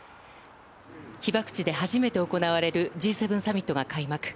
被爆地で初めて行われるＧ７サミットが開幕。